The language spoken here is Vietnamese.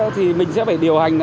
thì mình sẽ phải điều hành